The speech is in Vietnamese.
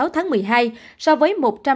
hai mươi sáu tháng một mươi hai so với